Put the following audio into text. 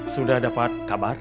sudah dapat kabar